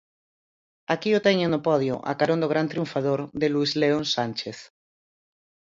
Aquí o teñen no podio, a carón do gran triunfador, de Luís León Sánchez.